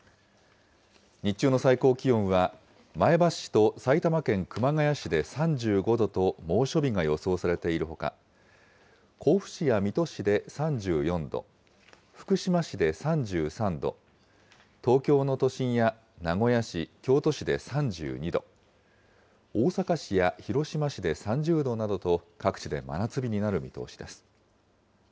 日中の最高気温は前橋市と埼玉県熊谷市で３５度と猛暑日が予想されているほか、甲府市や水戸市で３４度、福島市で３３度、東京の都心や名古屋市、京都市で３２度、大阪市や広島市で３０度などと、各地で真夏日になる見通しです。